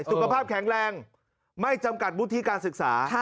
สุขภาพแข็งแรงไม่จำกัดวุฒิการศึกษา